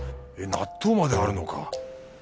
納豆まであるのか